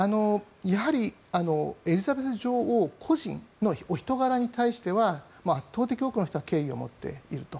やはりエリザベス女王個人のお人柄に対しては圧倒的に多くの人は敬意を持っていると。